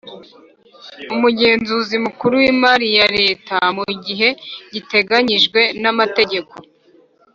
Umugenzuzi Mukuru w Imari ya Leta mu gihe giteganyijwe n Amategeko